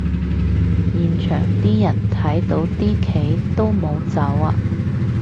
現場啲人睇到啲旗都冇走吖